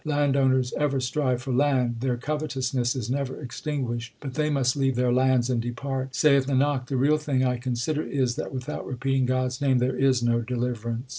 Landowners ever strive for land ; Their covetousness is never extinguished ; but they must leave their lands and depart. Saith Nanak, the real thing I consider is, That without repeating God s name there is no deliver ance.